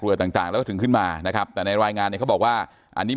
ต่างต่างแล้วก็ถึงขึ้นมานะครับแต่ในรายงานเนี่ยเขาบอกว่าอันนี้